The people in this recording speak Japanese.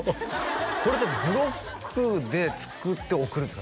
これってブロックで作って送るんですか？